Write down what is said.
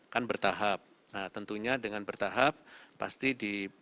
kan bertahap tentunya dengan bertahap pasti di